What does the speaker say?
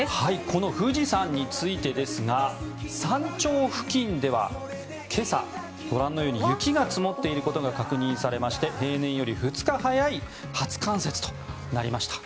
この富士山についてですが山頂付近では今朝ご覧のように雪が積もっていることが確認されまして平年より２日早い初冠雪となりました。